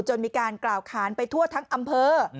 มีการกล่าวขานไปทั่วทั้งอำเภอ